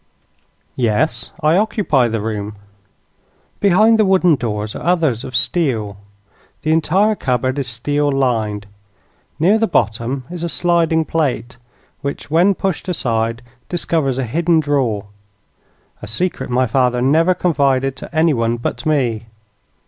"Yes; I occupy the room." "Behind the wooden doors are others of steel. The entire cupboard is steel lined. Near the bottom is a sliding plate, which, when pushed aside, discovers a hidden drawer a secret my father never confided to anyone but me.